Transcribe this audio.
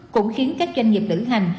cũng khiến các doanh nghiệp nữ hành